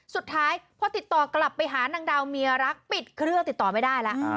สุดท้ายพอติดต่อกลับไปหานางดาวเมียรักปิดเครื่องติดต่อไม่ได้แล้ว